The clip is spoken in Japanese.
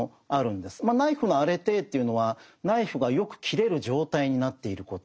ナイフのアレテーというのはナイフがよく切れる状態になっていること。